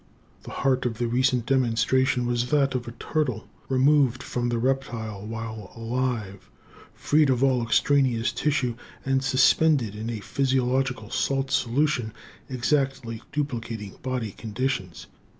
The heart of the recent demonstration was that of a turtle, removed from the reptile while alive, freed of all extraneous tissue and suspended in a physiological salt solution exactly duplicating body conditions.